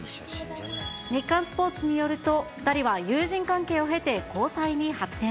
日刊スポーツによると、２人は友人関係を経て交際に発展。